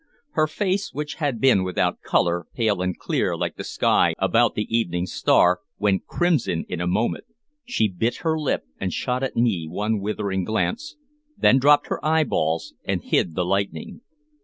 Her face, which had been without color, pale and clear like the sky about the evening star, went crimson in a moment. She bit her lip and shot at me one withering glance, then dropped her eyelids and hid the lightning.